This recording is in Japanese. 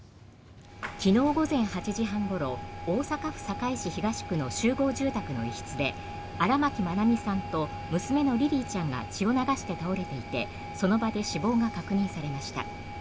昨日午前８時半ごろ大阪府堺市東区の集合住宅の一室で荒牧愛美さんと娘のリリィちゃんが血を流して倒れていてその場で死亡が確認されました。